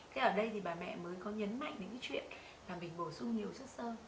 thế ở đây thì bà mẹ mới có nhấn mạnh đến cái chuyện là mình bổ sung nhiều chất sơ